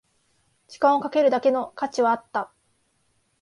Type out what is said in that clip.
時間をかけるだけの価値はあった